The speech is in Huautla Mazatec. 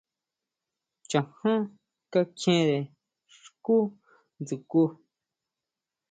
Chaján kakjiénre xkú dsjukʼu.